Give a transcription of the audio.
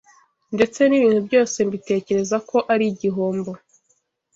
Ndetse n’ibintu byose mbitekereza ko ari igihombo